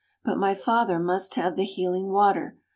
But my father must have the healing water."